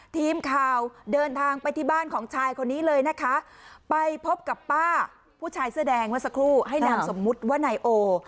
ทีมข่าวเดินทางไปที่บ้านของชายคนนี้เลยนะคะไปพบกับป้าผู้ชายเสื้อแดงเมื่อสักครู่ให้นามสมมุติว่านายโอ